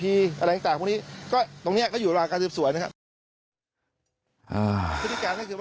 อะไรต่างพวกนี้ก็ตรงเนี้ยก็อยู่ระหว่างการสืบสวนนะครับ